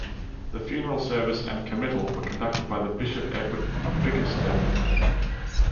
The funeral service and committal were conducted by the Bishop Edward Bickersteth.